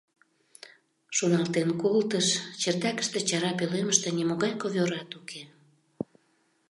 Шоналтен колтыш: чердакыште чара пӧлемыште нимогай ковёрат уке.